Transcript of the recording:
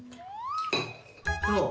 どう？